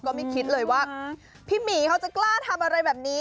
ไม่คิดเลยว่าพี่หมีเขาจะกล้าทำอะไรแบบนี้